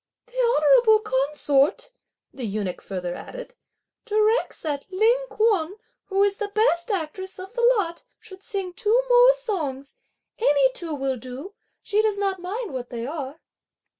"The honourable consort," the eunuch further added, "directs that Ling Kuan, who is the best actress of the lot, should sing two more songs; any two will do, she does not mind what they are."